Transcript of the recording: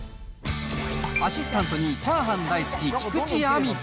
アシスタントにチャーハン大好き、菊地亜美。